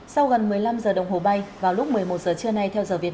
sau gần một mươi năm giờ đồng hồ bay vào lúc một mươi một giờ trưa nay